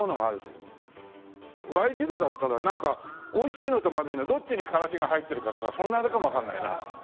『Ｙ字路』だったらなんかおいしいのとまずいのどっちにカラシが入ってるかとかそんなあれかもわかんないな。